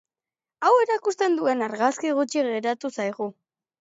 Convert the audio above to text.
Hau erakusten duen argazki gutxi geratu zaigu.